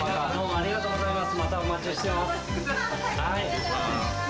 ありがとうございます。